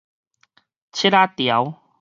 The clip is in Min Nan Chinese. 拭仔條